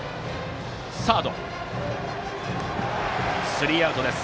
スリーアウトです。